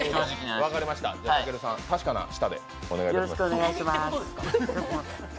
じゃたけるさん、確かな舌でお願いします。